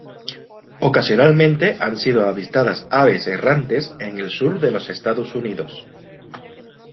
Ocasionalmente han sido avistadas aves errantes en el sur de los Estados Unidos.